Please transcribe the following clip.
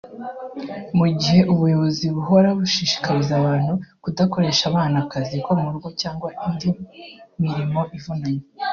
mu gihe ubuyobozi buhora bushishikariza abantu kudakoresha abana akazi ko mu rugo cyangwa indi mirimo ivunanye